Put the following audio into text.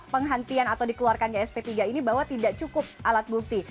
penghentian atau dikeluarkannya sp tiga ini bahwa tidak cukup alat bukti